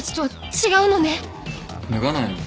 脱がないの？